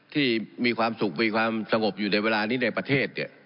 ที่มีความสุขมีความสงบอยู่ในเวลานี้ในประเทศ